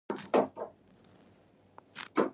دا واقعه بیا په بیزر کې وشوه، زه همالته وم.